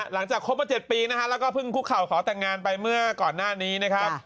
หลังจากคบมา๗ปีนะฮะแล้วก็เพิ่งคุกเข่าขอแต่งงานไปเมื่อก่อนหน้านี้นะครับ